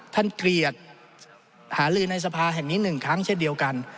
เกลียดหาลือในสภาแห่งนี้หนึ่งครั้งเช่นเดียวกัน